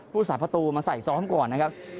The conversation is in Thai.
สาประตูมาใส่ซ้อมก่อนนะครับ